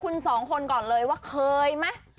คุณสองคนก่อนเลยว่าเคยไหม